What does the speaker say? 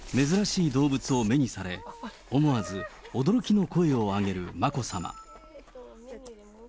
珍しい動物を目にされ、思わず驚きの声を上げる眞子さま。